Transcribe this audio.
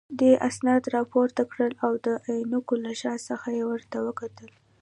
دې اسناد راپورته کړل او د عینکو له شا څخه یې ورته وکتل.